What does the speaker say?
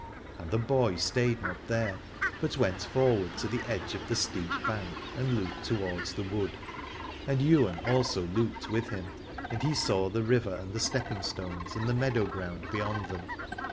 And the boy stayed not there, but went forward to the edge of the steep bank and looked towards the wood: and Ywain also looked with him, and he saw the river and the stepping stones and the meadow ground beyond them.